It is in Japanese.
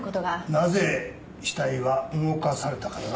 なぜ死体は動かされたかだな？